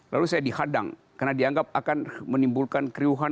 lalu saya dihadang karena dianggap akan menimbulkan keriuhan